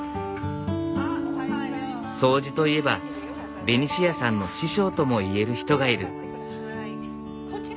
掃除といえばベニシアさんの師匠とも言える人がいる。